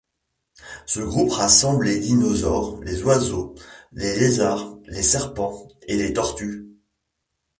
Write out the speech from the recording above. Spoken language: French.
Ce groupe rassemble les dinosaures, les oiseaux, les lézards, les serpents et les tortues.